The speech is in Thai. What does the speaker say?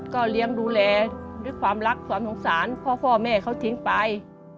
ก็เลี้ยงดูแลด้วยความรักความสงสารพ่อแม่เขาทิ้งไป